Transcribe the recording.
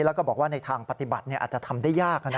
แล้วก็บอกว่าในทางปฏิบัติอาจจะทำได้ยาก